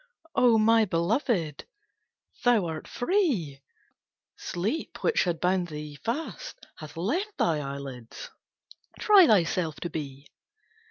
"O my belovèd, thou art free! Sleep which had bound thee fast, hath left Thine eyelids. Try thyself to be!